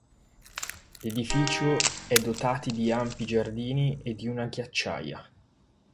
L'edificio è dotati di ampi giardini e di una ghiacciaia.